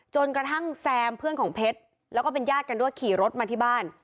จนกระทั่งแซมเพื่อนของเพชรแล้วก็เป็นญาติกันด้วยขี่รถมาที่บ้าน